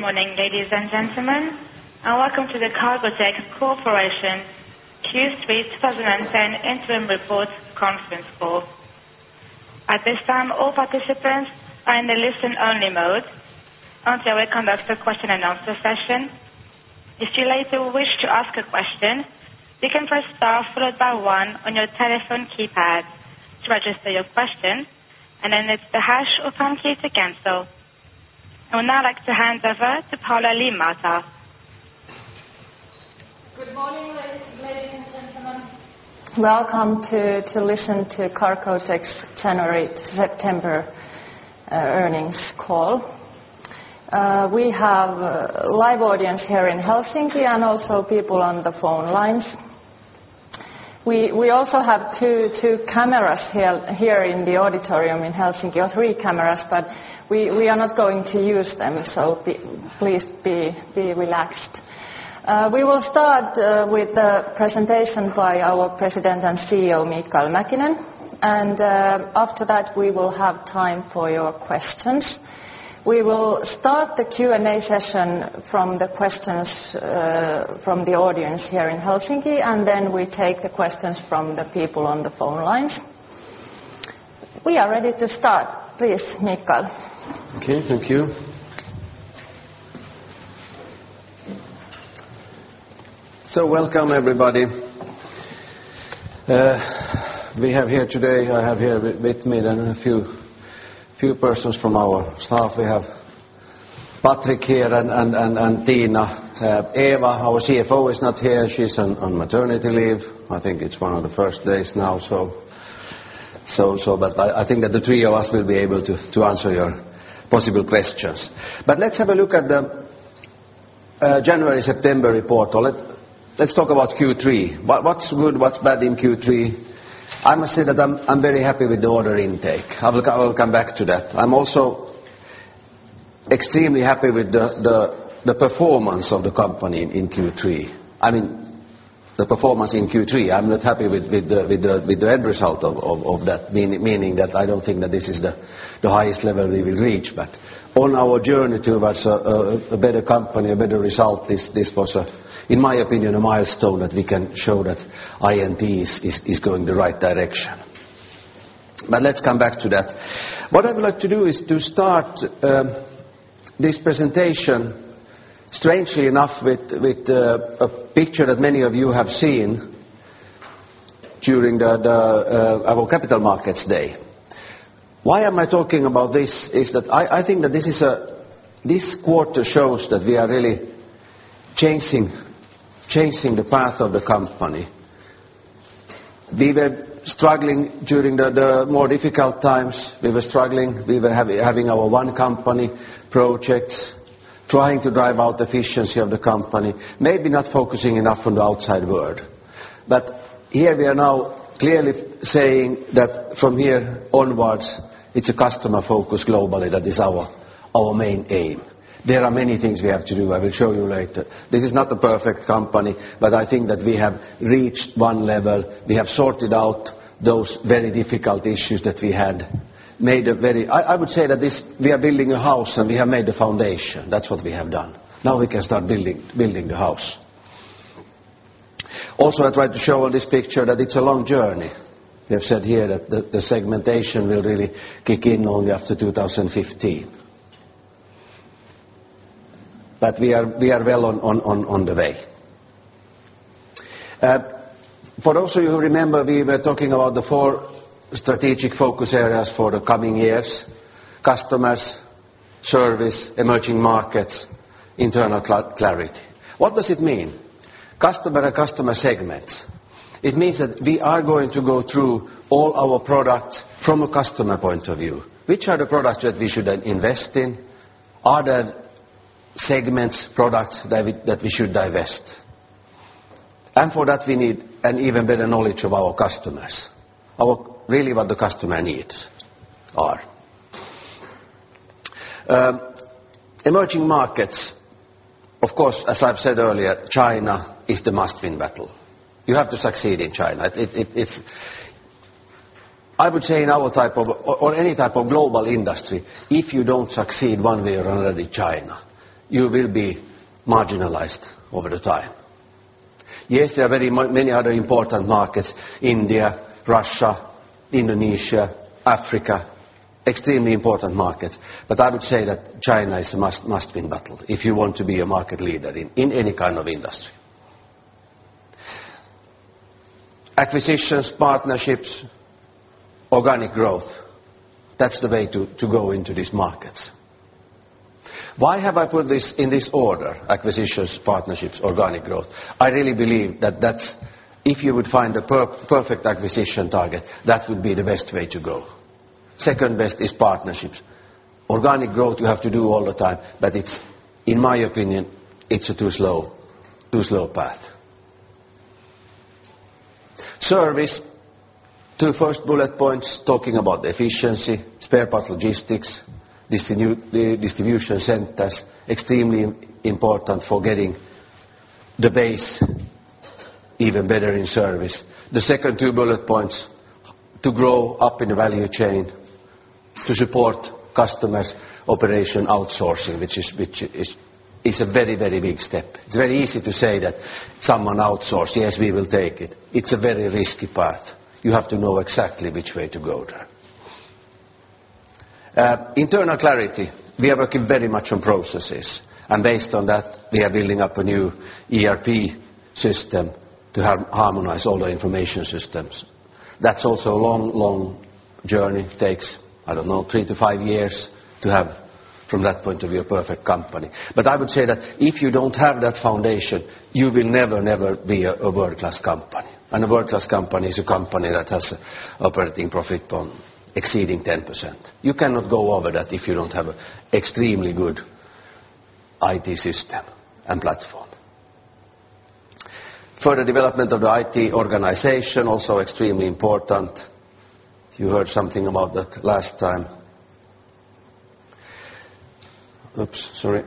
Good morning, ladies and gentlemen, welcome to the Cargotec Corporation Q3 2010 interim report conference call. At this time, all participants are in the listen only mode until we conduct a question and answer session. If you later wish to ask a question, you can press star followed by one on your telephone keypad to register your question, then it's the hash or pound key to cancel. I would now like to hand over to Paula Liimatta. Good morning, ladies and gentlemen. Welcome to listen to Cargotec's January-September earnings call. We have live audience here in Helsinki and also people on the phone lines. We also have two cameras here in the auditorium in Helsinki or three cameras, but we are not going to use them, so please be relaxed. We will start with the presentation by our President and CEO, Mikael Mäkinen, and after that, we will have time for your questions. We will start the Q&A session from the questions from the audience here in Helsinki, and then we take the questions from the people on the phone lines. We are ready to start. Please Mikael. Okay. Thank you. Welcome, everybody. I have here with me a few persons from our staff. We have Patrick here and Tina. Eva, our CFO, is not here. She's on maternity leave. I think it's one of the first days now, so. I think that the three of us will be able to answer your possible questions. Let's have a look at the January-September report. Let's talk about Q3. What's good, what's bad in Q3? I must say that I'm very happy with the order intake. I will come back to that. I'm also extremely happy with the performance of the company in Q3. I mean, the performance in Q3, I'm not happy with the end result of that meaning that I don't think that this is the highest level we will reach. On our journey towards a better company, a better result, this was, in my opinion, a milestone that we can show that INT is going the right direction. Let's come back to that. What I would like to do is to start this presentation, strangely enough, with a picture that many of you have seen during our capital markets day. Why am I talking about this? Is that I think that this quarter shows that we are really changing the path of the company. We were struggling during the more difficult times. We were struggling. We were having our One Company projects, trying to drive out efficiency of the company, maybe not focusing enough on the outside world. Here we are now clearly saying that from here onwards, it's a customer focus globally that is our main aim. There are many things we have to do. I will show you later. This is not a perfect company, but I think that we have reached one level. We have sorted out those very difficult issues that we had, made a very. I would say that this, we are building a house and we have made the foundation. That's what we have done. Now we can start building the house. I tried to show on this picture that it's a long journey. We have said here that the segmentation will really kick in only after 2015. We are well on the way. For those of you who remember, we were talking about the 4 strategic focus areas for the coming years: customers, service, emerging markets, internal clarity. What does it mean? Customer and customer segments. It means that we are going to go through all our products from a customer point of view. Which are the products that we should invest in? Are there segments, products that we should divest? For that, we need an even better knowledge of our customers, really what the customer needs are. Emerging markets, of course, as I've said earlier, China is the must-win battle. You have to succeed in China. It's. I would say in our type of or any type of global industry, if you don't succeed one way or another in China, you will be marginalized over the time. Yes, there are very many other important markets: India, Russia, Indonesia, Africa. Extremely important markets. I would say that China is a must-win battle if you want to be a market leader in any kind of industry. Acquisitions, partnerships, organic growth. That's the way to go into these markets. Why have I put this in this order: acquisitions, partnerships, organic growth? I really believe that that's if you would find the perfect acquisition target, that would be the best way to go. Second best is partnerships. Organic growth you have to do all the time, but it's, in my opinion, it's a too slow path. Service. Two first bullet points talking about efficiency, spare parts logistics, distribution centers, extremely important for getting the base even better in service. The second two bullet points, to grow up in the value chain, to support customers' operation outsourcing, which is a very, very big step. It's very easy to say that someone outsource, yes, we will take it. It's a very risky path. You have to know exactly which way to go there. Internal clarity, we are working very much on processes. Based on that, we are building up a new ERP system to harmonize all the information systems. That's also a long, long journey. It takes, I don't know, three to five years to have, from that point of view, a perfect company. I would say that if you don't have that foundation, you will never be a world-class company. A world-class company is a company that has operating profit on exceeding 10%. You cannot go over that if you don't have extremely good IT system and platform. Further development of the IT organization, also extremely important. You heard something about that last time. Oops, sorry.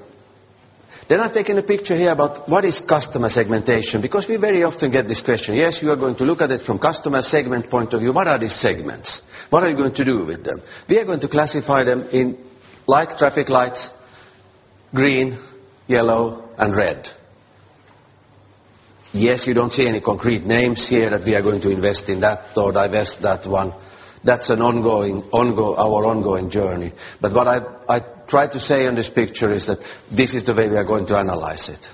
I've taken a picture here about what is customer segmentation, because we very often get this question. You are going to look at it from customer segment point of view. What are these segments? What are you going to do with them? We are going to classify them in like traffic lights, green, yellow, and red. You don't see any concrete names here that we are going to invest in that or divest that one. That's an ongoing, our ongoing journey. What I try to say on this picture is that this is the way we are going to analyze it.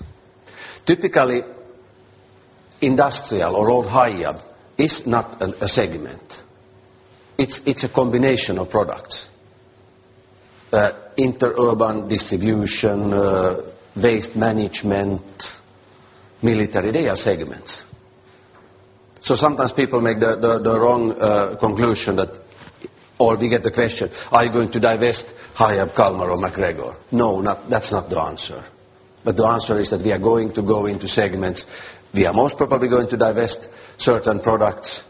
Typically, industrial or old Hiab is not a segment. It's a combination of products. Inter-urban distribution, waste management, military, they are segments. Sometimes people make the wrong conclusion that. We get the question, "Are you going to divest Hiab, Kalmar or MacGregor?" No, that's not the answer. The answer is that we are going to go into segments. We are most probably going to divest certain products,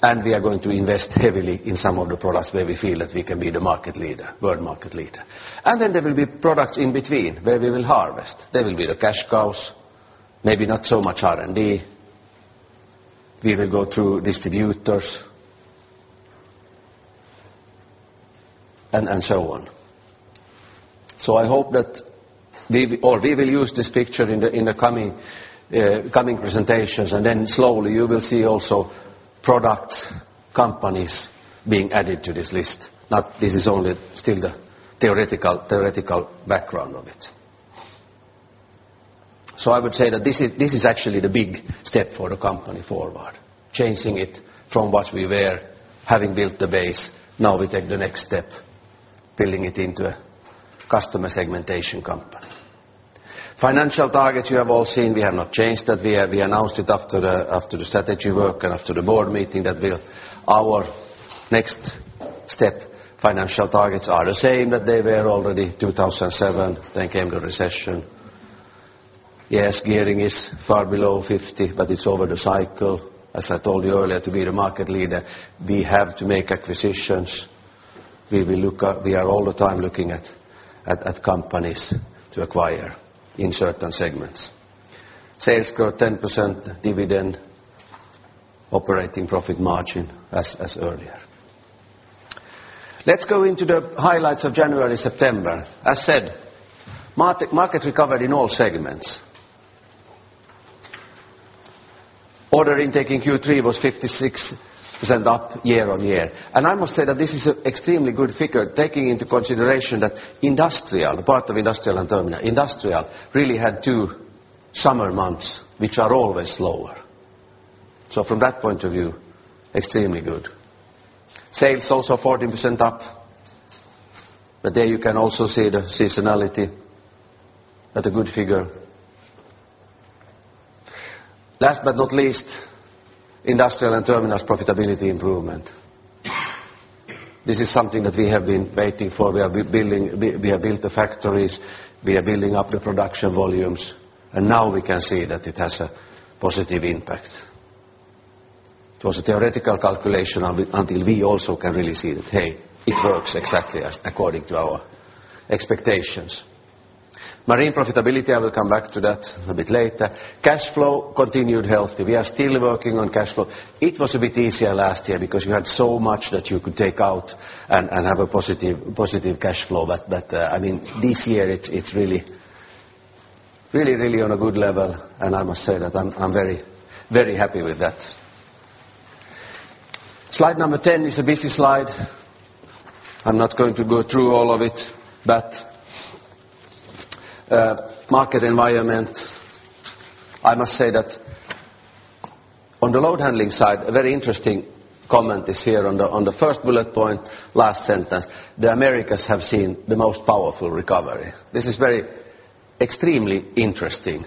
and we are going to invest heavily in some of the products where we feel that we can be the market leader, world market leader. Then there will be products in between where we will harvest. They will be the cash cows, maybe not so much R&D. We will go through distributors and so on. I hope that we will, or we will use this picture in the coming presentations. Slowly you will see also products, companies being added to this list. This is only still the theoretical background of it. I would say that this is actually the big step for the company forward, changing it from what we were, having built the base. We take the next step, building it into a customer segmentation company. Financial targets, you have all seen. We have not changed that. We announced it after the strategy work and after the board meeting that our next step financial targets are the same that they were already 2007, came the recession. Gearing is far below 50, it's over the cycle. As I told you earlier, to be the market leader, we have to make acquisitions. We are all the time looking at companies to acquire in certain segments. Sales grow 10%, dividend, operating profit margin, as earlier. Let's go into the highlights of January, September. As said, market recovered in all segments. Order intake in Q3 was 56% up year-on-year. I must say that this is an extremely good figure, taking into consideration that industrial, part of industrial and terminal really had two summer months, which are always lower. From that point of view, extremely good. Sales also 40% up. There you can also see the seasonality. That a good figure. Last but not least, industrial and terminals profitability improvement. This is something that we have been waiting for. We are building, we have built the factories, we are building up the production volumes, now we can see that it has a positive impact. It was a theoretical calculation until we also can really see that, hey, it works exactly as according to our expectations. Marine profitability, I will come back to that a bit later. Cash flow continued healthy. We are still working on cash flow. It was a bit easier last year because you had so much that you could take out and have a positive cash flow. I mean, this year it's really on a good level, I must say that I'm very happy with that. Slide number 10 is a busy slide. I'm not going to go through all of it, but market environment, I must say that on the load handling side, a very interesting comment is here on the, on the first bullet point, last sentence, "The Americas have seen the most powerful recovery." This is very extremely interesting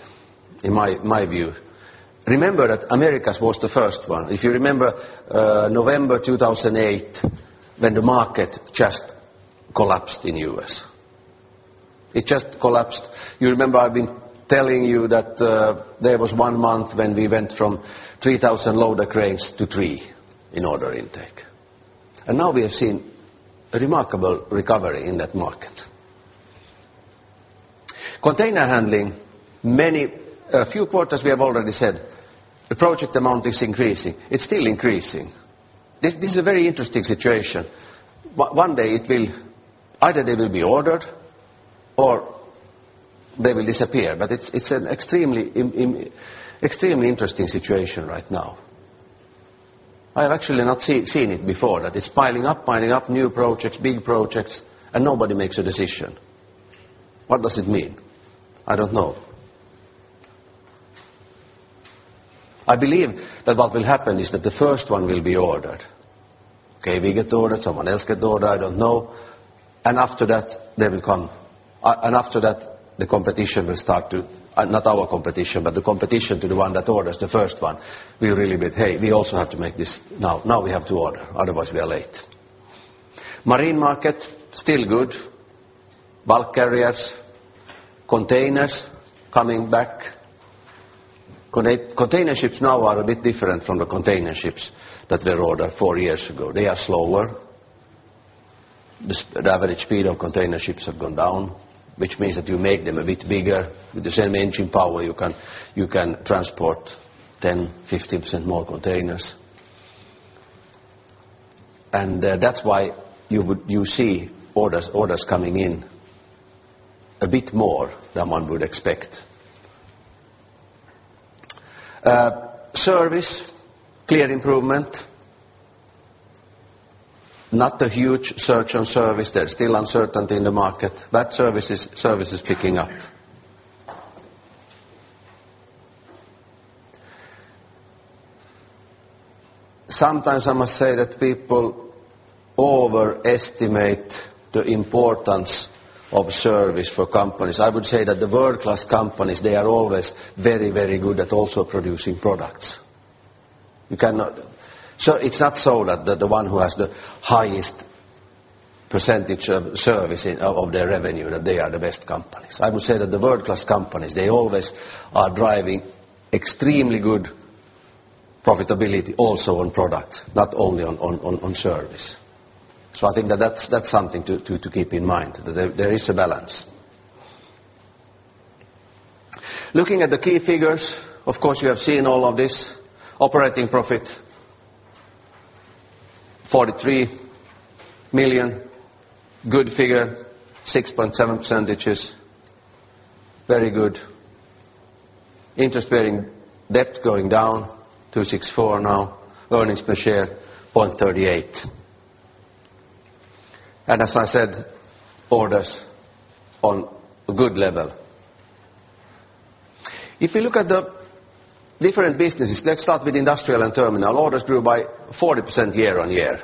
in my view. Remember that Americas was the first one. If you remember, November 2008 when the market just collapsed in U.S. It just collapsed. You remember I've been telling you that there was one month when we went from 3,000 loader cranes to three in order intake. Now we have seen a remarkable recovery in that market. Container handling, a few quarters we have already said the project amount is increasing. It's still increasing. This is a very interesting situation. One day it will. either they will be ordered or they will disappear. It's an extremely interesting situation right now. I've actually not seen it before that it's piling up new projects, big projects, and nobody makes a decision. What does it mean? I don't know. I believe that what will happen is that the first one will be ordered. Okay, we get ordered, someone else get ordered, I don't know. After that, the competition will start to, not our competition, but the competition to the one that orders the first one will really be, "Hey, we also have to make this now. Now we have to order, otherwise we are late." Marine market, still good. Bulk carriers, containers coming back. Container ships now are a bit different from the container ships that were ordered four years ago. They are slower. The average speed of container ships have gone down, which means that you make them a bit bigger. With the same engine power, you can transport 10-15% more containers. That's why you see orders coming in a bit more than one would expect. Service, clear improvement. Not a huge surge on service. There's still uncertainty in the market, but service is picking up. Sometimes I must say that people overestimate the importance of service for companies. I would say that the world-class companies, they are always very, very good at also producing products. You cannot. It's not so that the one who has the highest percentage of service in of their revenue, that they are the best companies. I would say that the world-class companies, they always are driving extremely good profitability also on products, not only on service. I think that's something to keep in mind, that there is a balance. Looking at the key figures, of course, you have seen all of this. Operating profit, EUR 43 million. Good figure, 6.7%. Very good. Interest-bearing debt going down to 64 million now. Earnings per share, 0.38. As I said, orders on a good level. If you look at the different businesses, let's start with Industrial and Terminal. Orders grew by 40% year-over-year.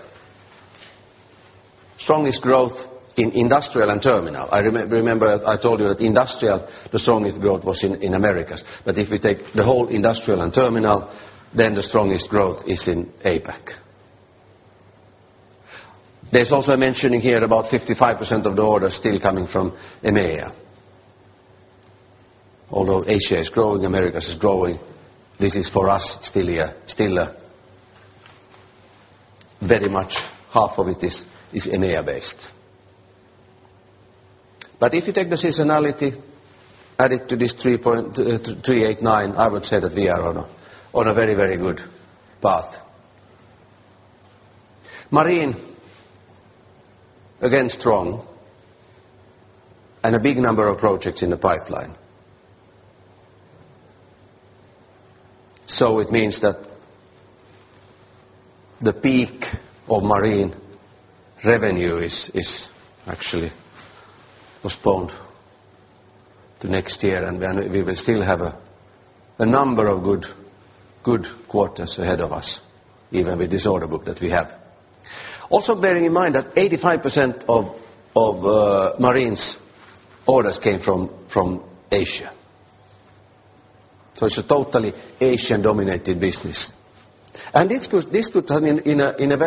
Strongest growth in Industrial and Terminal. I remember I told you that Industrial, the strongest growth was in Americas. If we take the whole Industrial and Terminal, then the strongest growth is in APAC. There's also a mentioning here about 55% of the orders still coming from EMEA. Although Asia is growing, Americas is growing, this is for us still a very much half of it is EMEA-based. If you take the seasonality, add it to this 3.389, I would say that we are on a very, very good path. Marine, again, strong, and a big number of projects in the pipeline. It means that the peak of marine revenue is actually postponed to next year, and we will still have a number of good quarters ahead of us, even with this order book that we have. Bearing in mind that 85% of marine's orders came from Asia. It's a totally Asian-dominated business. This could turn in a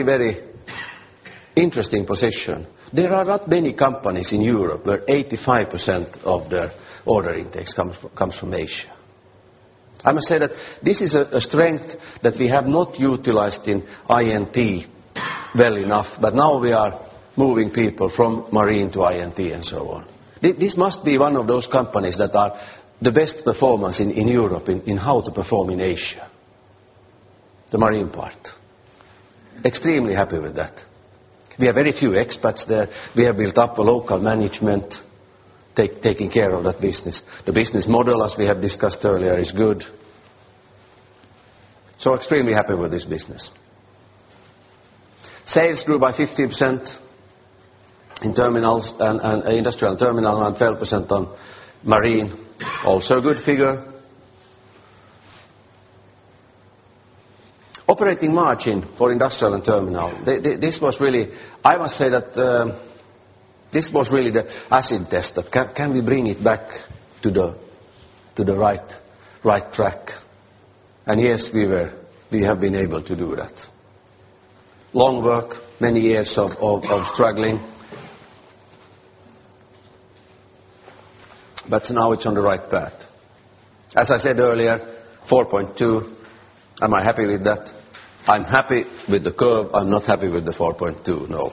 very interesting position. There are not many companies in Europe where 85% of their order intakes comes from Asia. I must say that this is a strength that we have not utilized in INT well enough, but now we are moving people from marine to INT and so on. This must be one of those companies that are the best performance in Europe in how to perform in Asia, the marine part. Extremely happy with that. We have very few expats there. We have built up a local management taking care of that business. The business model, as we have discussed earlier, is good. Extremely happy with this business. Sales grew by 50% in terminals and industrial terminal and 12% on marine. Also a good figure. Operating margin for industrial and terminal. This was really, I must say that, this was really the acid test. Can we bring it back to the right track? Yes, we were. We have been able to do that. Long work, many years of struggling. Now it's on the right path. As I said earlier, 4.2%, am I happy with that? I'm happy with the curve. I'm not happy with the 4.2%, no.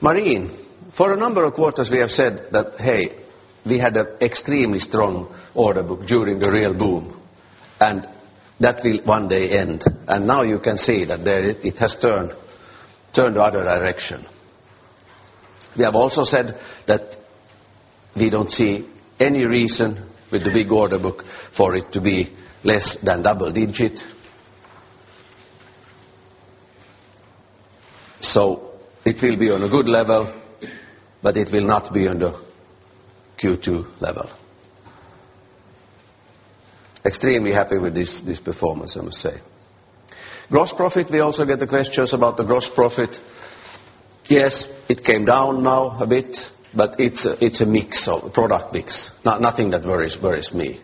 Marine, for a number of quarters, we have said that, hey, we had a extremely strong order book during the real boom, that will one day end. Now you can see that there it has turned the other direction. We have also said that we don't see any reason with the big order book for it to be less than double digit. It will be on a good level, it will not be on the Q2 level. Extremely happy with this performance, I must say. Gross profit, we also get the questions about the gross profit. It came down now a bit, it's a mix of product mix. Nothing that worries me.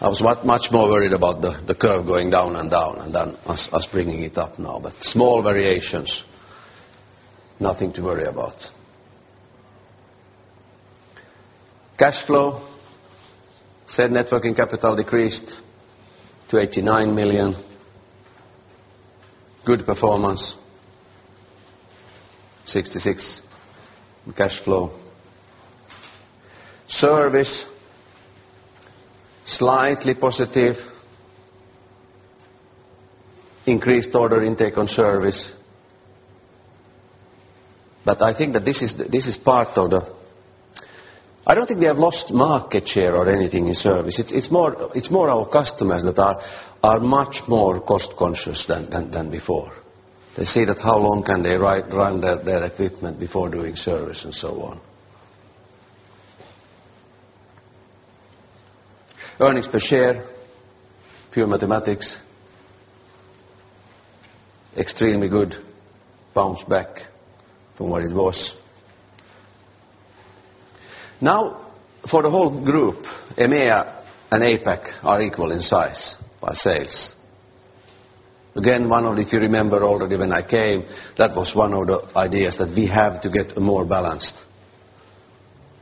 I was much more worried about the curve going down and down us bringing it up now. Small variations, nothing to worry about. Cash flow, said net working capital decreased to 89 million. Good performance, 66 million cash flow. Service, slightly positive. Increased order intake on service. I think that this is. I don't think we have lost market share or anything in service. It's more our customers that are much more cost conscious than before. They see that how long can they run their equipment before doing service and so on. Earnings per share, pure mathematics. Extremely good bounce back from what it was. Now, for the whole group, EMEA and APAC are equal in size by sales. Again, if you remember already when I came, that was one of the ideas that we have to get more balanced.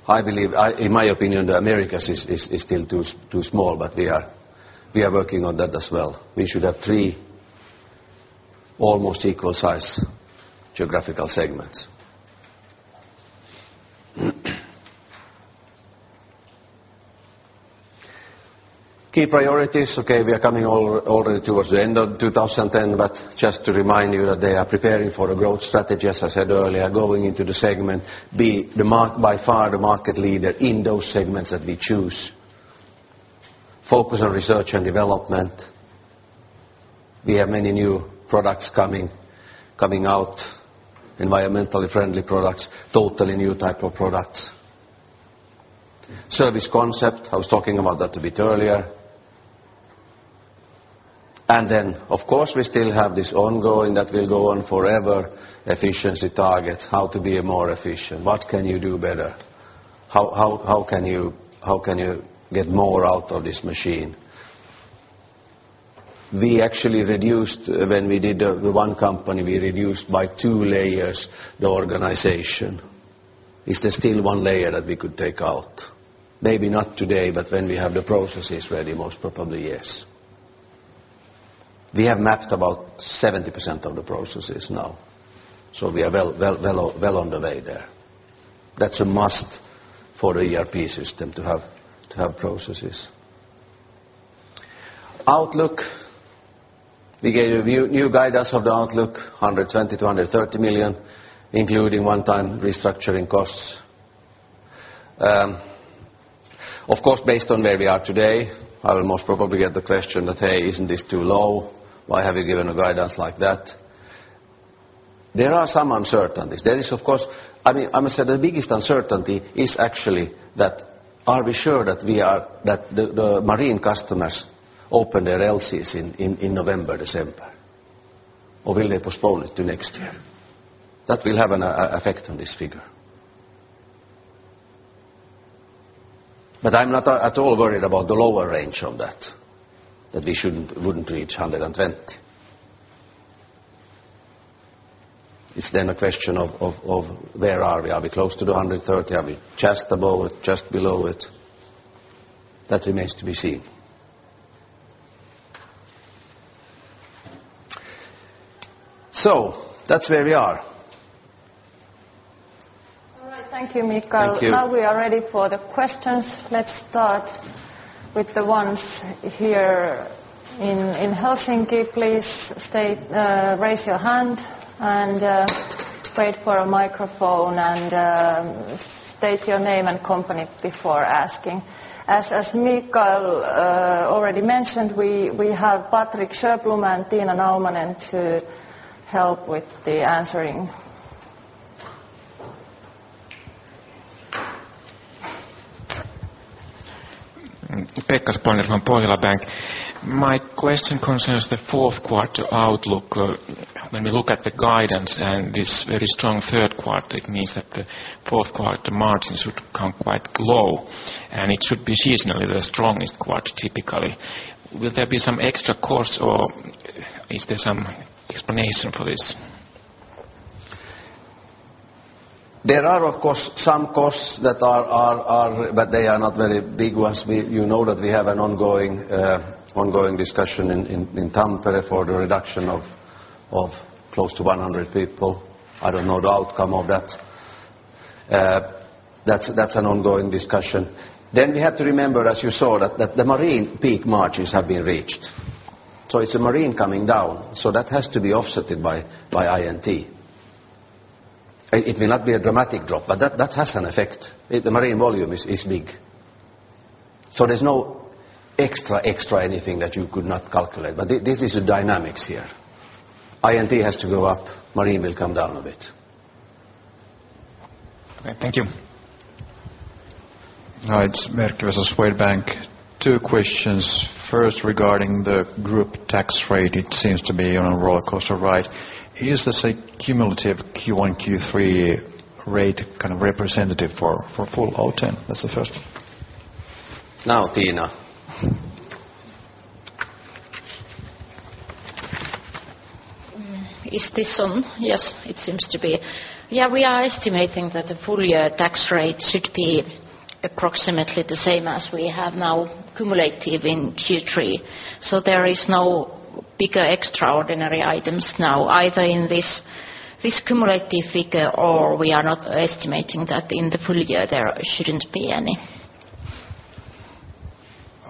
In my opinion, the Americas is still too small, but we are working on that as well. We should have three almost equal size geographical segments. Key priorities. Okay, we are already towards the end of 2010, but just to remind you that they are preparing for a growth strategy, as I said earlier, going into the segment, by far the market leader in those segments that we choose. Focus on research and development. We have many new products coming out, environmentally friendly products, totally new type of products. Service concept, I was talking about that a bit earlier. Of course we still have this ongoing that will go on forever, efficiency targets, how to be more efficient, what can you do better, how can you, how can you get more out of this machine? We actually reduced, when we did the One Company, we reduced by two layers the organization. Is there still one layer that we could take out? Maybe not today, but when we have the processes ready, most probably yes. We have mapped about 70% of the processes now, so we are well on the way there. That's a must for the ERP system to have, to have processes. Outlook, we gave a new guidance of the outlook, 120 million-130 million, including one-time restructuring costs. Of course, based on where we are today, I will most probably get the question that, "Hey, isn't this too low? Why have you given a guidance like that?" There are some uncertainties. There is of course I mean, I must say the biggest uncertainty is actually that are we sure that the marine customers open their LCs in November, December, or will they postpone it to next year? That will have an effect on this figure. I'm not at all worried about the lower range on that we wouldn't reach 120. It's then a question of where are we? Are we close to the 130? Are we just above it, just below it? That remains to be seen. That's where we are. All right. Thank you, Mikael. Thank you. Now we are ready for the questions. Let's start with the ones here in Helsinki. Please state, raise your hand and wait for a microphone and state your name and company before asking. As Mikael already mentioned, we have Patrik Sjöblom and Tiina Naumanen to help with the answering. Pekka Sjölien from Pohjola Bank. My question concerns the fourth quarter outlook. When we look at the guidance and this very strong third quarter, it means that the fourth quarter margins should come quite low, and it should be seasonally the strongest quarter typically. Will there be some extra costs, or is there some explanation for this? There are, of course, some costs that are. They are not very big ones. We, you know that we have an ongoing discussion in Tampere for the reduction of close to 100 people. I don't know the outcome of that. That's an ongoing discussion. We have to remember, as you saw, that the Marine peak margins have been reached. It's a Marine coming down, so that has to be offsetted by INT. It may not be a dramatic drop, but that has an effect. The Marine volume is big. There's no extra anything that you could not calculate, but this is the dynamics here. INT has to go up, Marine will come down a bit. Okay. Thank you. All right. It's Erkki Vesola with Swedbank. two questions. First, regarding the group tax rate, it seems to be on a rollercoaster ride. Is this a cumulative Q1, Q3 rate kind of representative for full 2010? That's the first one. Now Tiina. Is this on? Yes it seems to be. Yeah, we are estimating that the full year tax rate should be approximately the same as we have now cumulative in Q3. There is no bigger extraordinary items now, either in this cumulative figure or we are not estimating that in the full year there shouldn't be any.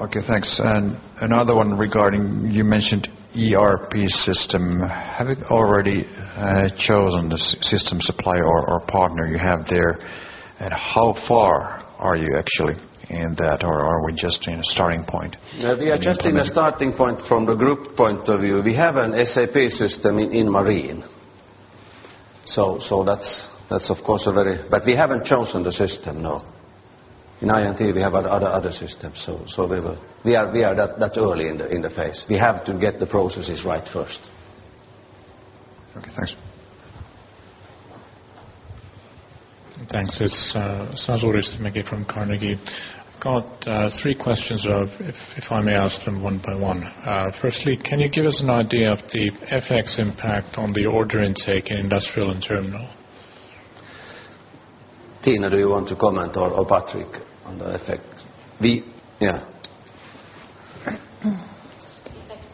Okay, thanks. Another one regarding, you mentioned ERP system. Have you already chosen the system supplier or partner you have there? How far are you actually in that or are we just in a starting point? We are just in a starting point from the group point of view. We have an SAP system in Marine. That's of course a very. We haven't chosen the system, no. In INT we have other systems. We will. We are that early in the phase. We have to get the processes right first. Okay, thanks. Thanks. It's Sasu Ristimäki from Carnegie. Got three questions if I may ask them one by one. Firstly, can you give us an idea of the FX impact on the order intake in Industrial and Terminal? Tiina, do you want to comment or Patrik on the FX? Yeah. Okay. Next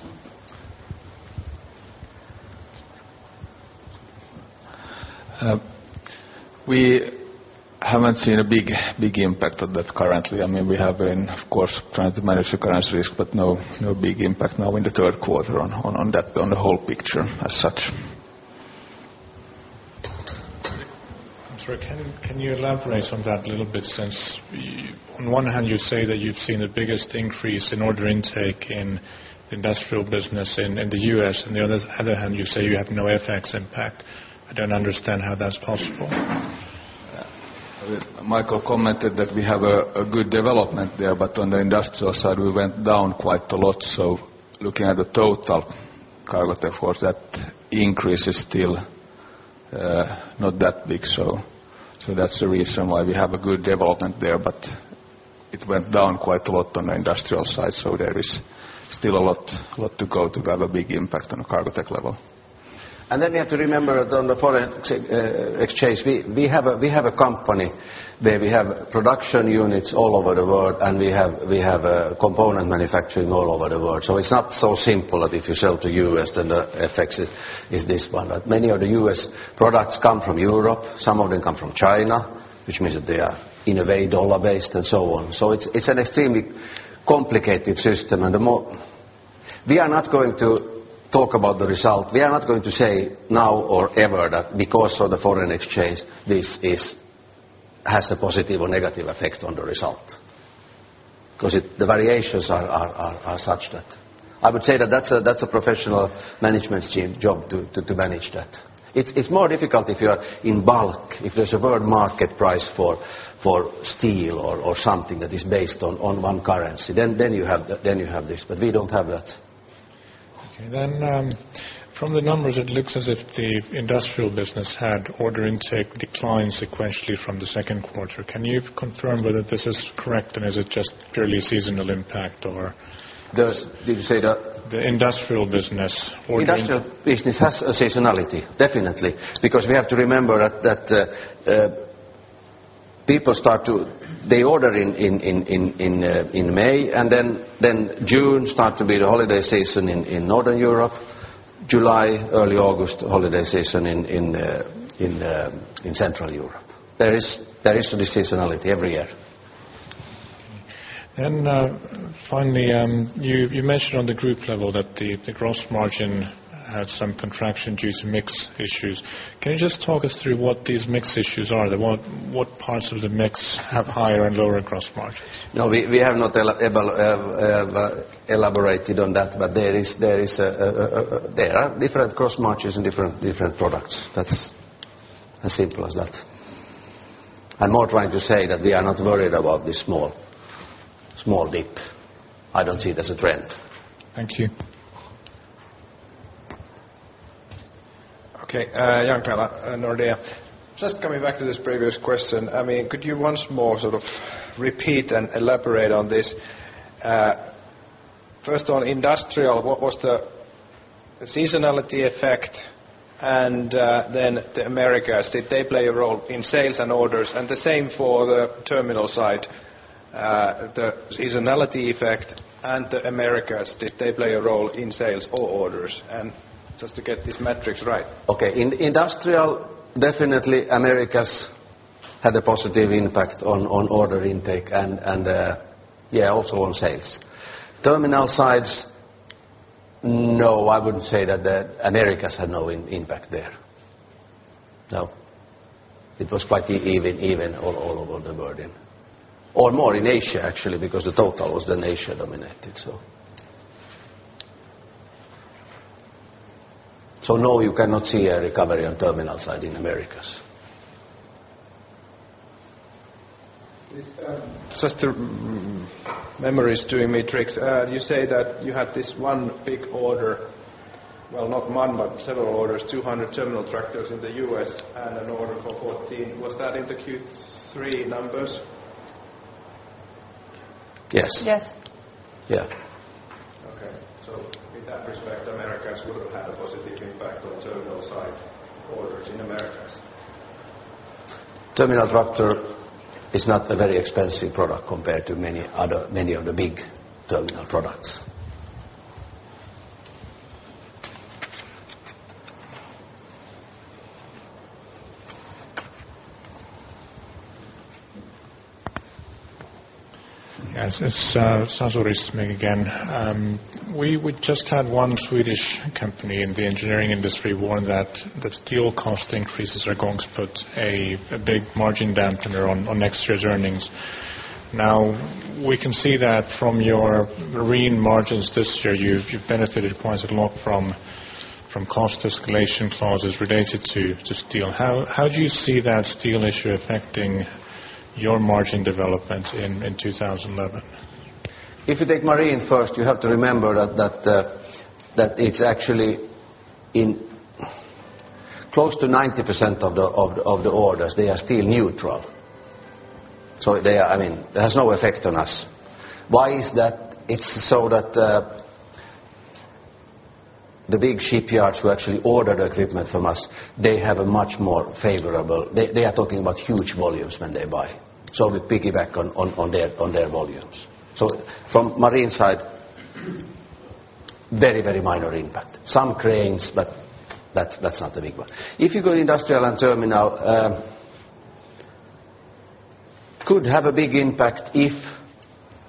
one. We haven't seen a big impact of that currently. I mean, we have been, of course, trying to manage the currency risk, but no big impact now in the third quarter on that, on the whole picture as such. I'm sorry. Can you elaborate on that a little bit since on one hand you say that you've seen the biggest increase in order intake in Industrial business in the U.S., on the other hand you say you have no FX impact? I don't understand how that's possible? Mikael commented that we have a good development there. On the Industrial side we went down quite a lot. Looking at the total Cargotec, of course, that increase is still not that big. That's the reason why we have a good development there. It went down quite a lot on the Industrial side. There is still a lot to go to have a big impact on a Cargotec level. We have to remember on the forex exchange, we have a company where we have production units all over the world, and we have component manufacturing all over the world. It's not so simple that if you sell to U.S. then the FX is this one. Many of the U.S. products come from Europe, some of them come from China, which means that they are in a way dollar-based and so on. It's an extremely complicated system. We are not going to talk about the result. We are not going to say now or ever that because of the foreign exchange this is, has a positive or negative effect on the result. Because the variations are such that I would say that's a professional management's team job to manage that. It's more difficult if you are in bulk, if there's a world market price for steel or something that is based on one currency, then you have this, but we don't have that. From the numbers it looks as if the Industrial business had order intake decline sequentially from the second quarter. Can you confirm whether this is correct and is it just purely seasonal impact or? Did you say the- The Industrial business. Industrial business has a seasonality, definitely. We have to remember that They order in May and then June start to be the holiday season in Northern Europe. July, early August, holiday season in Central Europe. There is a seasonality every year. Finally, you mentioned on the group level that the gross margin had some contraction due to mix issues. Can you just talk us through what these mix issues are? What parts of the mix have higher and lower gross margin? We have not elaborated on that there are different cross margins in different products. That's as simple as that. I'm more trying to say that we are not worried about this small dip. I don't see it as a trend. Thank you. Jaakko Kela, Nordea. Just coming back to this previous question. I mean, could you once more sort of repeat and elaborate on this? First on industrial, what was the seasonality effect and then the Americas, did they play a role in sales and orders? The same for the terminal side, the seasonality effect and the Americas, did they play a role in sales or orders? Just to get these metrics right. Okay. In industrial, definitely Americas had a positive impact on order intake and, yeah, also on sales. Terminal sides, no, I wouldn't say that the Americas had no impact there. No. It was quite even all over the world. More in Asia, actually, because the total was Asia-dominated. No, you cannot see a recovery on terminal side in Americas. Is, just to, memory's doing me tricks. You say that you had this 1 big order, well, not 1, but several orders, 200 terminal tractors in the US and an order for 14. Was that in the Q3 numbers? Yes. Yes. Yeah. In that respect, Americas would have had a positive impact on terminal side orders in Americas. Terminal tractor is not a very expensive product compared to many other, many of the big terminal products. Yes. It's Sasu Ristimäki again. We just had one Swedish company in the engineering industry warn that the steel cost increases are going to put a big margin dampener on next year's earnings. We can see that from your marine margins this year, you've benefited quite a lot from cost escalation clauses related to steel. How do you see that steel issue affecting your margin development in 2011? If you take marine first, you have to remember that it's actually in close to 90% of the orders, they are steel neutral. They are, I mean, it has no effect on us. Why is that? It's so that the big shipyards who actually order the equipment from us, they have a much more favorable. They are talking about huge volumes when they buy. We piggyback on their volumes. From marine side, very minor impact. Some cranes, that's not a big one. If you go to industrial and terminal, could have a big impact if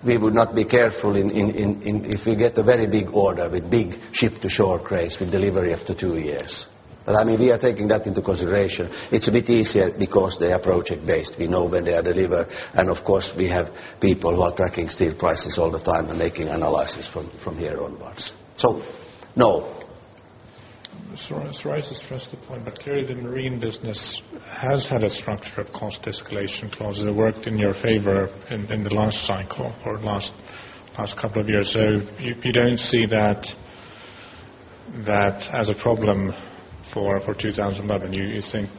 we would not be careful in if we get a very big order with big ship-to-shore cranes with delivery after two years. I mean, we are taking that into consideration. It's a bit easier because they are project-based. We know when they are delivered. Of course, we have people who are tracking steel prices all the time and making analysis from here onwards. No. It's right to stress the point, but clearly the marine business has had a structure of cost escalation clauses that worked in your favor in the last cycle or last couple of years. You don't see that as a problem for 2011. You think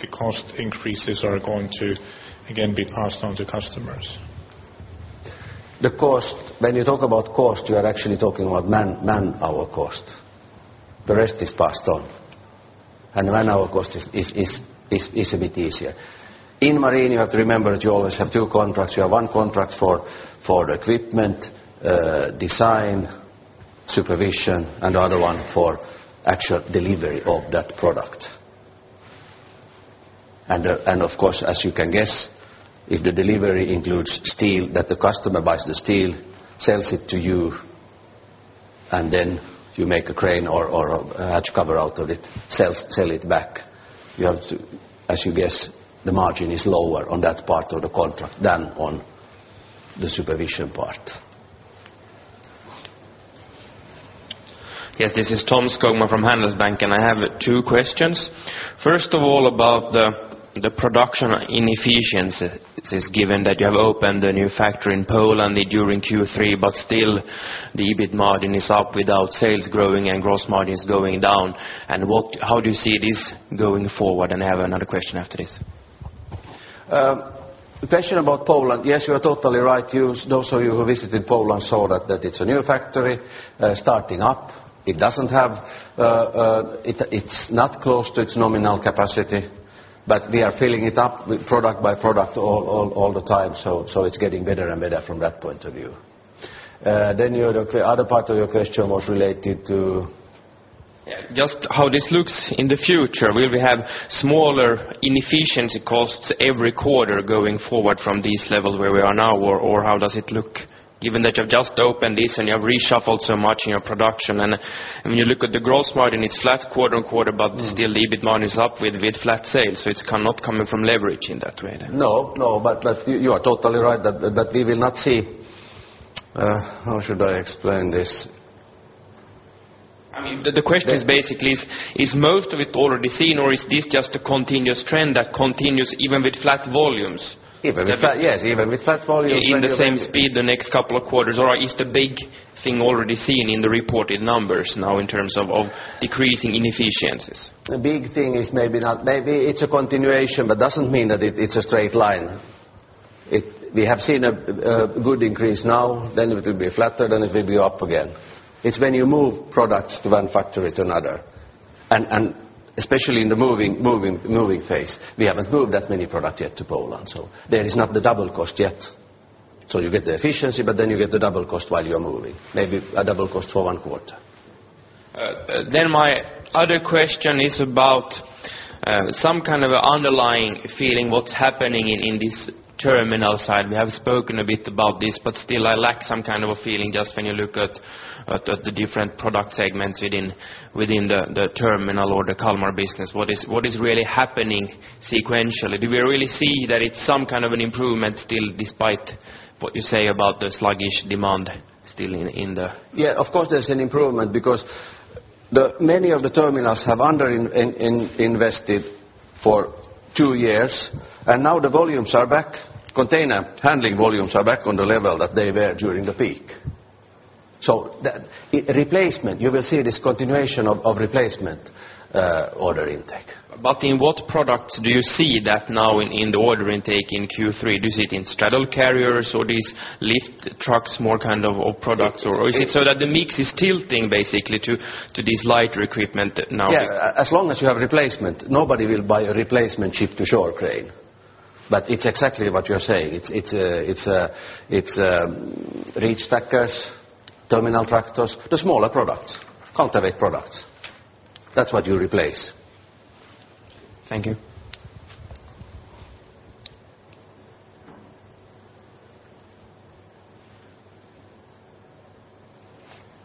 the cost increases are going to again be passed on to customers? The cost, when you talk about cost, you are actually talking about manpower cost. The rest is passed on. Manpower cost is a bit easier. In marine, you have to remember that you always have two contracts. You have one contract for equipment, design, supervision, and the other one for actual delivery of that product. Of course, as you can guess, if the delivery includes steel, that the customer buys the steel, sells it to you, and then you make a crane or a hatch cover out of it, sell it back, as you guess, the margin is lower on that part of the contract than on the supervision part. Yes, this is Tomas Skogman from Handelsbanken. I have two questions. First of all, about the production inefficiencies given that you have opened a new factory in Poland during Q3, but still the EBIT margin is up without sales growing and gross margin is going down. How do you see this going forward? I have another question after this. The question about Poland, yes, you are totally right. Those of you who visited Poland saw that it's a new factory starting up. It's not close to its nominal capacity, but we are filling it up with product by product all the time. It's getting better and better from that point of view. The other part of your question was related to. Just how this looks in the future. Will we have smaller inefficiency costs every quarter going forward from this level where we are now, or how does it look given that you've just opened this and you have reshuffled so much in your production? When you look at the gross margin, it's flat quarter on quarter, but still the EBIT margin is up with flat sales, so it's not coming from leverage in that way then. No, no that's, you are totally right that we will not see how should I explain this? I mean, the question is basically is most of it already seen or is this just a continuous trend that continues even with flat volumes? Yes even with flat volumes when we- In the same speed the next couple of quarters or is the big thing already seen in the reported numbers now in terms of decreasing inefficiencies? The big thing is maybe not. Maybe it's a continuation, but doesn't mean that it's a straight line. We have seen a good increase now, then it will be flatter, then it will be up again. It's when you move products to one factory to another, and especially in the moving phase. We haven't moved that many product yet to Poland, so there is not the double cost yet. You get the efficiency, but then you get the double cost while you're moving. Maybe a double cost for one quarter. My other question is about some kind of underlying feeling what's happening in this terminal side. We have spoken a bit about this, but still I lack some kind of a feeling just when you look at the different product segments within the terminal or the Kalmar business. What is really happening sequentially? Do we really see that it's some kind of an improvement still despite what you say about the sluggish demand still in the? Yeah, of course, there's an improvement because many of the terminals have underinvested for 2 years. Now the volumes are back. Container handling volumes are back on the level that they were during the peak. The replacement, you will see this continuation of replacement order intake. In what products do you see that now in the order intake in Q3? Do you see it in straddle carriers or these lift trucks, more kind of products or is it so that the mix is tilting basically to these lighter equipment now? Yeah. As long as you have replacement, nobody will buy a replacement ship-to-shore crane. It's exactly what you're saying. It's reach stackers, terminal tractors, the smaller products, counterweight products. That's what you replace. Thank you.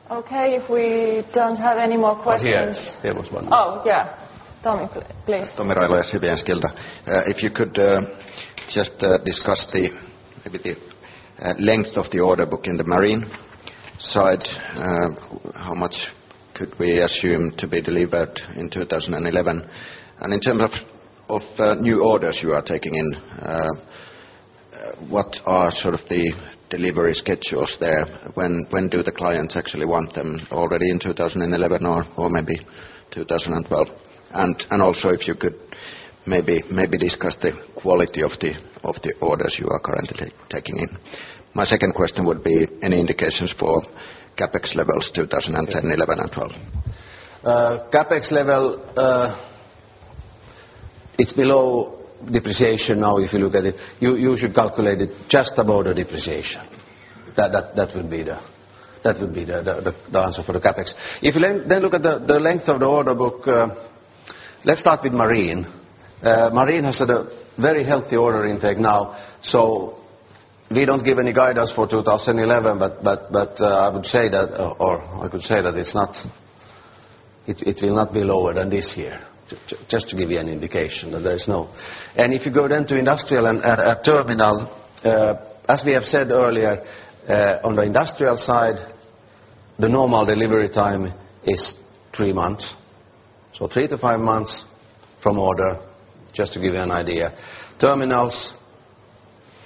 Okay, if we don't have any more questions. Oh, here. There was one. Oh, yeah. Tommi, please. Tommi Railo, SEB Enskilda. If you could just discuss the maybe the length of the order book in the marine side. How much could we assume to be delivered in 2011? In terms of new orders you are taking in, what are sort of the delivery schedules there? When do the clients actually want them? Already in 2011 or maybe 2012? Also, if you could maybe discuss the quality of the orders you are currently taking in. My second question would be any indications for CapEx levels 2010, 2011, and 2012. CapEx level, it's below depreciation now if you look at it. You should calculate it just above the depreciation. That would be the answer for the CapEx. If you then look at the length of the order book, let's start with marine. Marine has had a very healthy order intake now, so we don't give any guidance for 2011, but, I would say that, or I could say that it's not, it will not be lower than this year, just to give you an indication that there is no. If you go then to industrial and terminal, as we have said earlier, on the industrial side, the normal delivery time is three months. Three-five months from order, just to give you an idea. Terminals,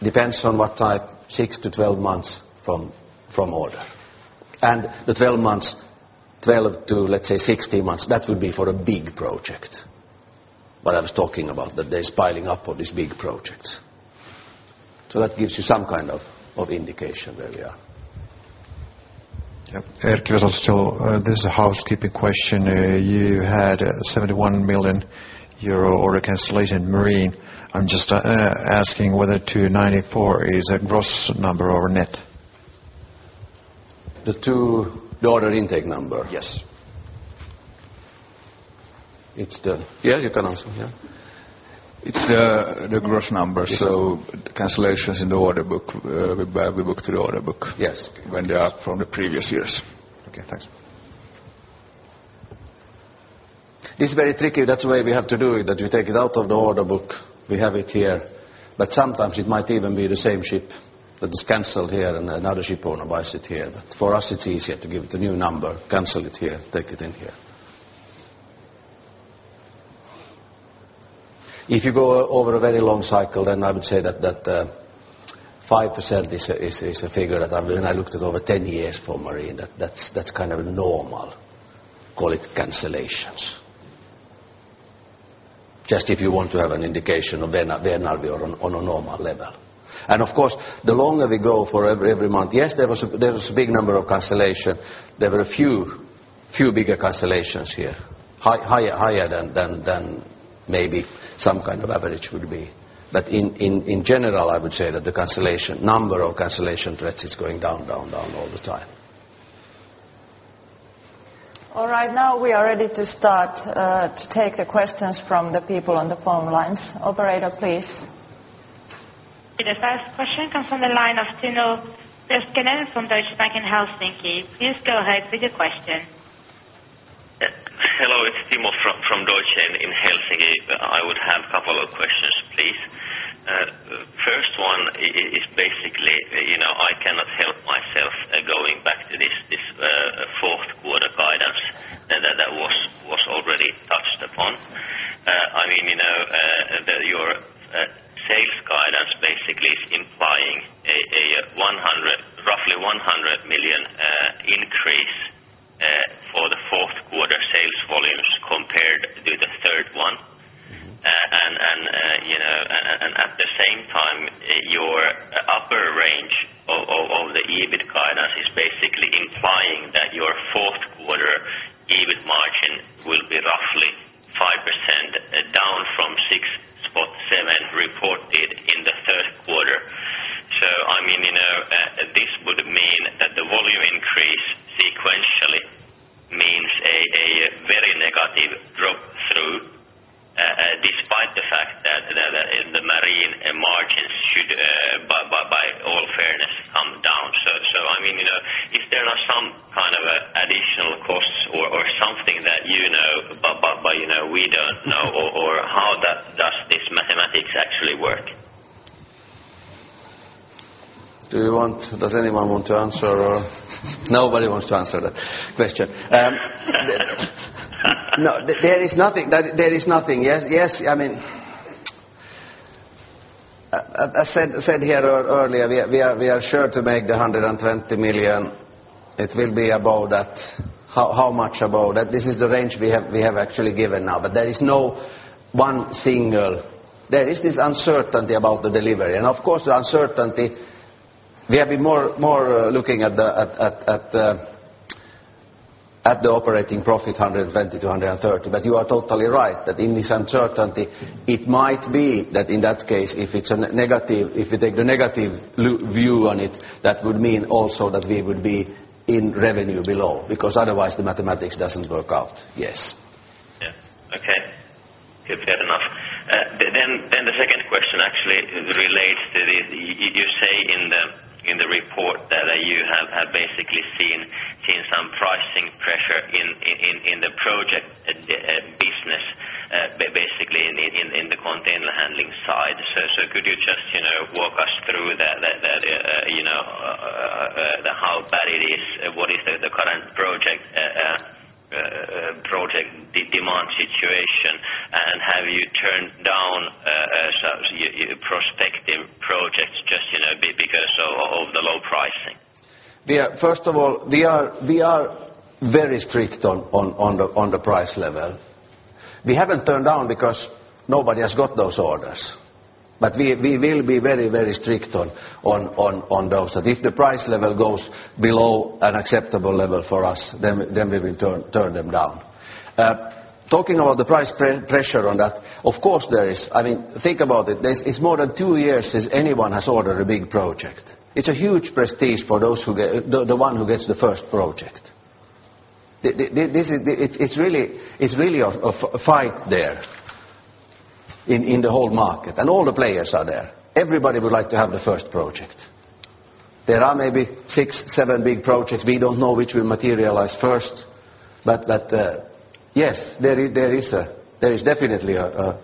depends on what type, 6-12 months from order. The 12 months, 12-16 months, that would be for a big project. What I was talking about, that there's piling up for these big projects. That gives you some kind of indication where we are. Yep. Erkki Vesanto. This is a housekeeping question. You had 71 million euro order cancellation marine. I'm just asking whether 294 is a gross number or net? The two, the order intake number? Yes. Yeah, you can answer. Yeah. It's the gross number. Yes. Cancellations in the order book, we book through the order book. Yes When they are from the previous years. Okay. Thanks. It's very tricky. That's why we have to do it, that we take it out of the order book. We have it here. Sometimes it might even be the same ship that is canceled here, and another ship owner buys it here. For us, it's easier to give it a new number, cancel it here, take it in here. If you go over a very long cycle, then I would say that 5% is a figure that I, when I looked at over 10 years for marine, that's kind of normal, call it cancellations. Just if you want to have an indication of when are we on a normal level. Of course, the longer we go for every month, yes, there was a big number of cancellation. There were a few bigger cancellations here. Higher than maybe some kind of average would be. But in general, I would say that the number of cancellation threats is going down all the time. All right, now we are ready to start to take the questions from the people on the phone lines. Operator, please. The first question comes from the line of Timo Vesanen from Deutsche Bank in Helsinki. Please go ahead with your question. Hello, it's Timo from Deutsche in Helsinki. I would have couple of questions, please. First one is basically, you know, I cannot help myself going back to this fourth quarter guidance that was already touched upon. I mean, you know, your sales guidance basically is implying One. You know, at the same time, your upper range of the EBIT guidance is basically implying that your fourth quarter EBIT margin will be roughly 5%, down from 6.7% reported in the third quarter. I mean, you know, is there are some kind of additional costs or something that you know, but, you know, we don't know or how that does this mathematics actually work? Does anyone want to answer or? Nobody wants to answer that question. No, there is nothing. That there is nothing. Yes, I mean, I said here earlier, we are sure to make the 120 million. It will be about that. How much about that? This is the range we have actually given now. There is this uncertainty about the delivery. Of course, the uncertainty, we have been more looking at the operating profit, 120-130. You are totally right that in this uncertainty, it might be that in that case, if it's a negative, if we take the negative view on it, that would mean also that we would be in revenue below, because otherwise the mathematics doesn't work out. Yes. Yeah. Okay. Fair enough. Then the second question actually relates to the. You say in the report that you have basically seen some pricing pressure in the project business, basically in the container handling side. Could you just, you know, walk us through, you know, how bad it is? What is the current project demand situation? Have you turned down some your prospective projects just, you know, because of the low pricing? First of all, we are very strict on the price level. We haven't turned down because nobody has got those orders. We will be very strict on those. That if the price level goes below an acceptable level for us, then we will turn them down. Talking about the price pre-pressure on that, of course there is. I mean, think about it. It's more than two years since anyone has ordered a big project. It's a huge prestige for those who get the one who gets the first project. This is, it's really a fight there in the whole market, and all the players are there. Everybody would like to have the first project. There are maybe six, seven big projects. We don't know which will materialize first. Yes there is definitely a.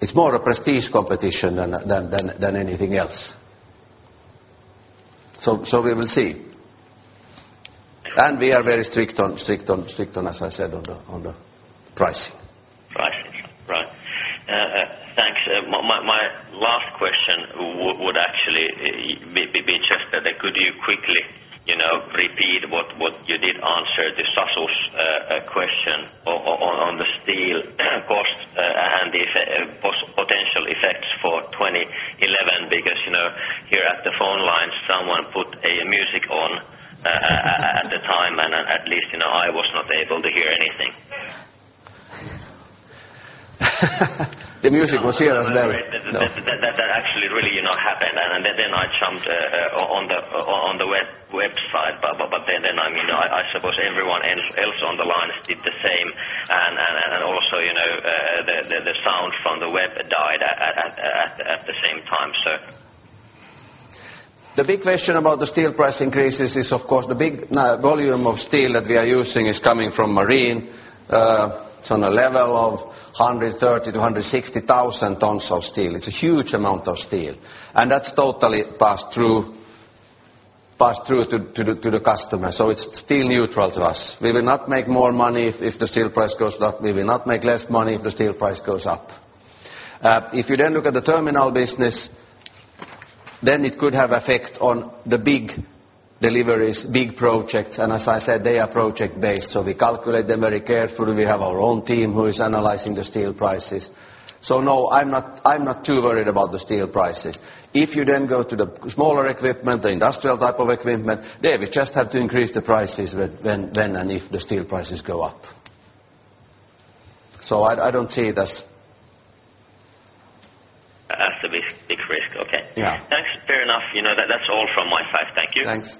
It's more a prestige competition than anything else. we will see. we are very strict on, as I said, on the pricing. Pricing. Right. Thanks. My last question would actually be just that could you quickly, you know, repeat what you did answer to Sasul's question on the steel costs, and if potential effects for 2011, because, you know, here at the phone lines, someone put a music on at the time, and at least, you know, I was not able to hear anything. The music was here and there. No. That actually really, you know, happened. Then, I jumped on the website. Then, I mean, I suppose everyone else on the lines did the same. Also, you know, the sound from the web died at the same time sir. The big question about the steel price increases is, of course, the big volume of steel that we are using is coming from marine. It's on a level of 130,000-160,000 tons of steel. It's a huge amount of steel, and that's totally passed through to the customer. It's steel neutral to us. We will not make more money if the steel price goes up. We will not make less money if the steel price goes up. If you then look at the terminal business, then it could have effect on the big deliveries, big projects, and as I said, they are project-based, so we calculate them very carefully. We have our own team who is analyzing the steel prices. No, I'm not too worried about the steel prices. If you then go to the smaller equipment, the industrial type of equipment, there we just have to increase the prices when and if the steel prices go up. I don't see it. As the big, big risk. Okay. Yeah. Thanks. Fair enough. You know, that's all from my side. Thank you. Thanks.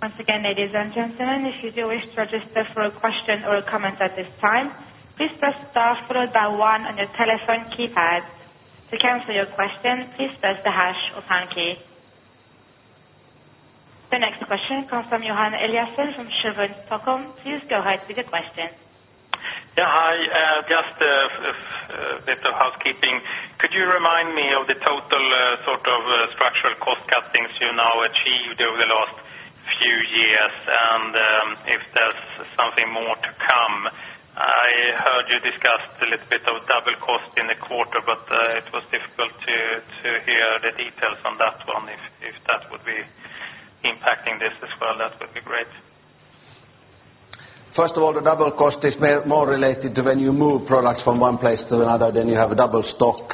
Once again, ladies and gentlemen, if you do wish to register for a question or comment at this time, please press star followed by one on your telephone keypad. To cancel your question, please press the hash or pound key. The next question comes from Johan Eliason from Sjovoll, Stockholm. Please go ahead with your question. Hi. Just a bit of housekeeping. Could you remind me of the total sort of structural cost cuttings you now achieved over the last few years, and if there's something more to come? I heard you discussed a little bit of double cost in the quarter, but it was impacting this as well, that would be great. First of all, the double cost is more related to when you move products from one place to another, then you have double stock,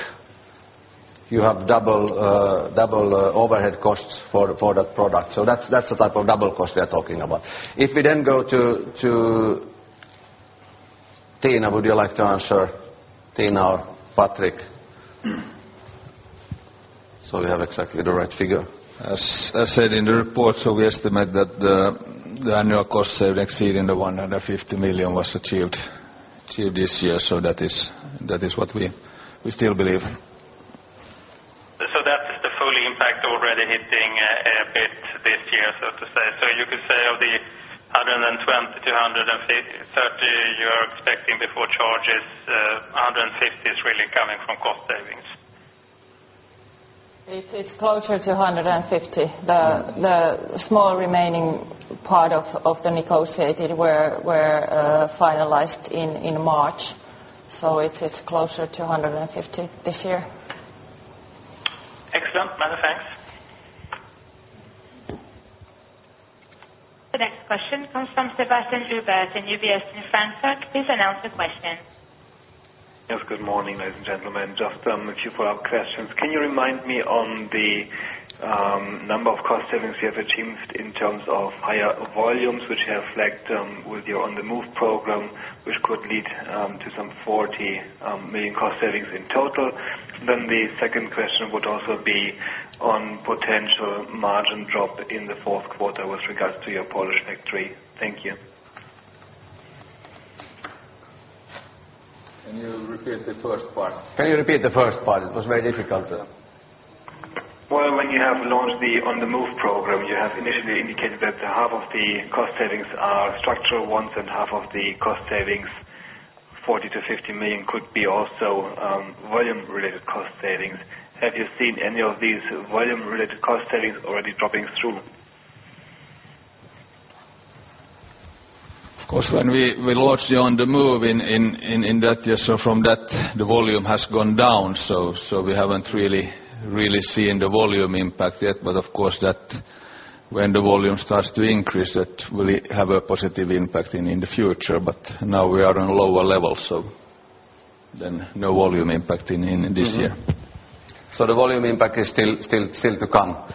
you have double overhead costs for that product. That's the type of double cost we are talking about. If we then go to Tina, would you like to answer? Tina or Patrick? We have exactly the right figure. Said in the report, we estimate that the annual cost saving exceeding 150 million was achieved this year. That is what we still believe. That's the full impact already hitting a bit this year, so to say. You could say of the 120-130 you are expecting before charges, 150 is really coming from cost savings. It's closer to 150. The small remaining part of the negotiated were finalized in March. It's closer to 150 this year. Excellent. Many thanks. The next question comes from Sebastian Klenk in UBS in Frankfurt. Please announce the question. Yes, good morning, ladies and gentlemen. Just a few follow-up questions. Can you remind me on the number of cost savings you have achieved in terms of higher volumes which have lagged with your On the Move program, which could lead to some 40 million cost savings in total? The second question would also be on potential margin drop in the fourth quarter with regards to your Polish factory. Thank you. Can you repeat the first part? It was very difficult. Well, when you have launched the On the Move program, you have initially indicated that half of the cost savings are structural ones and half of the cost savings, 40 million-50 million, could be also volume-related cost savings. Have you seen any of these volume-related cost savings already dropping through? Of course, when we launched the On the Move in that year, from that, the volume has gone down. We haven't really seen the volume impact yet. Of course that when the volume starts to increase, that will have a positive impact in the future. Now we are on lower levels, no volume impact in this year. The volume impact is still to come.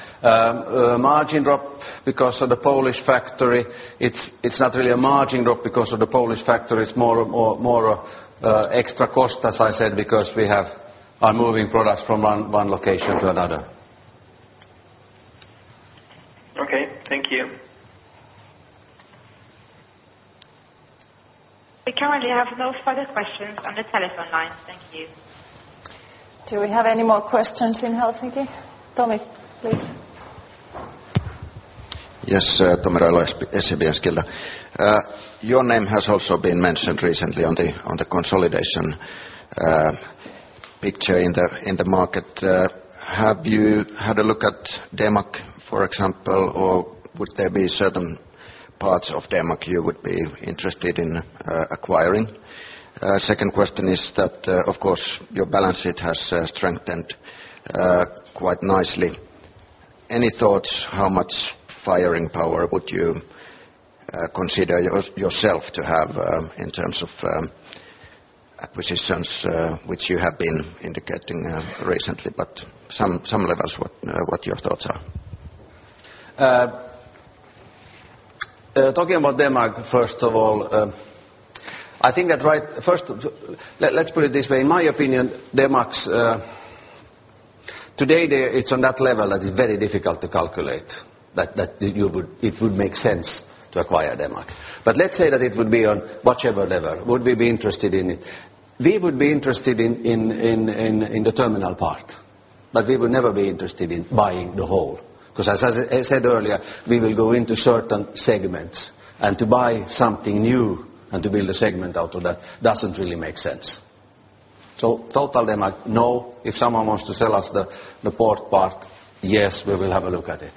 Margin drop because of the Polish factory, it's not really a margin drop because of the Polish factory. It's more extra cost, as I said, because we are moving products from one location to another. Okay. Thank you. We currently have no further questions on the telephone line. Thank you. Do we have any more questions in Helsinki? Tommi, please. Yes Tommi Railo SEB Enskilda. Your name has also been mentioned recently on the consolidation picture in the market. Have you had a look at Demag, for example, or would there be certain parts of Demag you would be interested in acquiring? Second question is that, of course, your balance sheet has strengthened quite nicely. Any thoughts how much firing power would you consider yourself to have in terms of acquisitions, which you have been indicating recently, but some levels, what your thoughts are? Talking about Demag, first of all, I think that First, let's put it this way. In my opinion, Demag's today, it's on that level that is very difficult to calculate that it would make sense to acquire Demag. Let's say that it would be on whichever level. Would we be interested in it? We would be interested in the terminal part, but we would never be interested in buying the whole. As I said earlier, we will go into certain segments, and to buy something new and to build a segment out of that doesn't really make sense. Total Demag, no. If someone wants to sell us the port part, yes, we will have a look at it.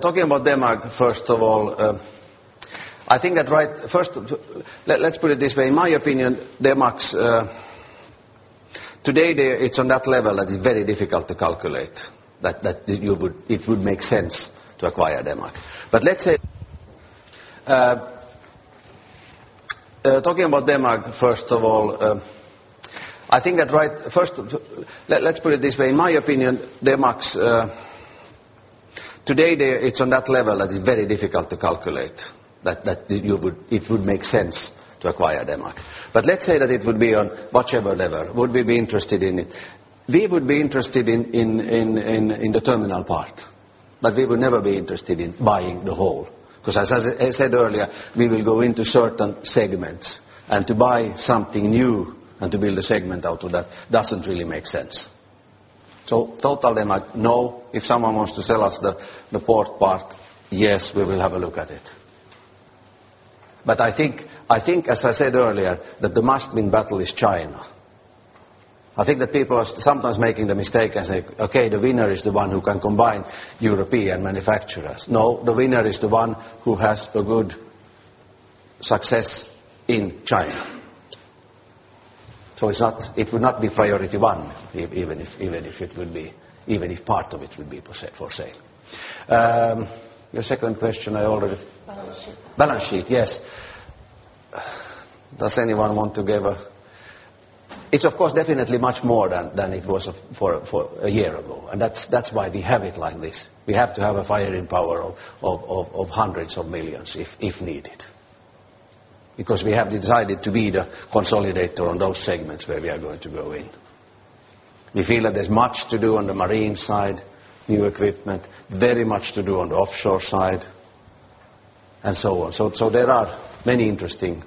Talking about Demag, first of all, I think that First, let's put it this way. In my opinion, Demag's, today, they... it's on that level that is very difficult to calculate that it would make sense to acquire Demag. Talking about Demag, first of all, I think that First, let's put it this way. In my opinion, Demag's, today they. It's on that level that is very difficult to calculate that it would make sense to acquire Demag. Let's say that it would be on whichever level. Would we be interested in it? We would be interested in the terminal part, but we would never be interested in buying the whole. As I said earlier, we will go into certain segments, and to buy something new and to build a segment out of that doesn't really make sense. Total Demag, no. If someone wants to sell us the port part, yes, we will have a look at it. I think, as I said earlier, that the must-win battle is China. I think that people are sometimes making the mistake and say, "Okay, the winner is the one who can combine European manufacturers." No, the winner is the one who has a good success in China. It's not, it would not be priority one even if, even if it will be, even if part of it will be for sale. Your second question I already- Balance sheet. Balance sheet, yes. It's of course definitely much more than it was for a year ago. That's why we have it like this. We have to have a firing power of EUR hundreds of millions if needed. We have decided to be the consolidator on those segments where we are going to go in. We feel that there's much to do on the marine side, new equipment, very much to do on the offshore side, and so on. There are many interesting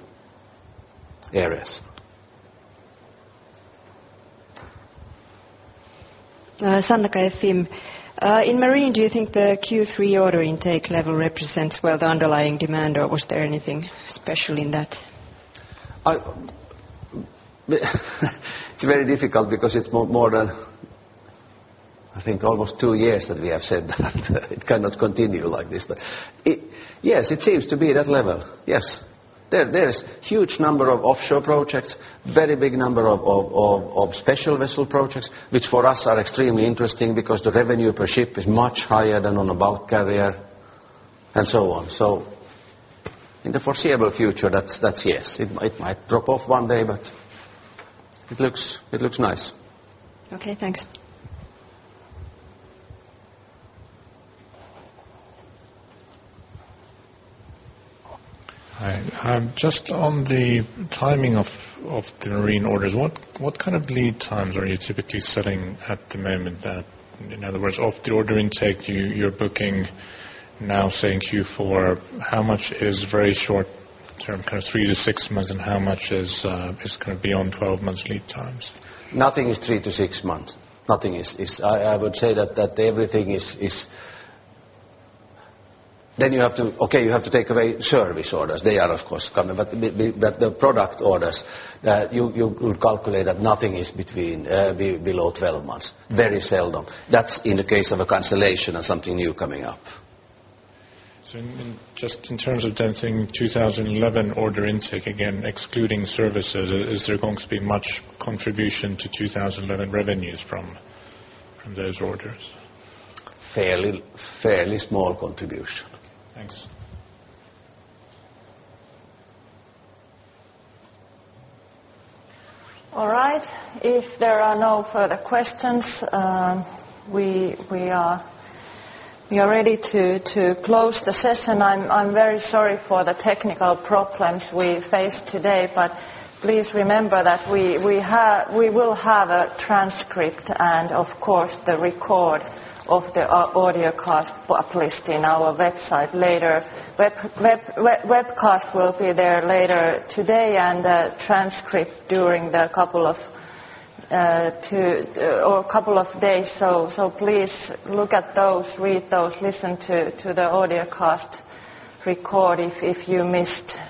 areas. Sanna Kaikkonen. In marine, do you think the Q3 order intake level represents well the underlying demand or was there anything special in that? It's very difficult because it's more than, I think almost two years that we have said that it cannot continue like this. Yes, it seems to be that level. Yes. There's huge number of offshore projects, very big number of special vessel projects, which for us are extremely interesting because the revenue per ship is much higher than on a bulk carrier and so on. In the foreseeable future that's yes. It might drop off one day, but it looks nice. Okay, thanks. Hi. Just on the timing of the marine orders, what kind of lead times are you typically setting at the moment? In other words, of the order intake you're booking now, say, in Q4, how much is very short term, kind of 3-6 months and how much is kind of beyond 12 months lead times? Nothing is 3-6 months. Nothing is. I would say that everything is. You have to, okay, you have to take away service orders. They are of course coming. The product orders, you could calculate that nothing is between below 12 months. Very seldom. That's in the case of a cancellation and something new coming up. In just in terms of then saying 2011 order intake again, excluding services, is there going to be much contribution to 2011 revenues from those orders? Fairly, fairly small contribution. Thanks. All right. If there are no further questions, we are ready to close the session. I'm very sorry for the technical problems we faced today, please remember that we will have a transcript and of course the record of the audiocast up listed in our website later. Webcast will be there later today and transcript during the couple of days. Please look at those read those listen to the audiocast record if you missed some.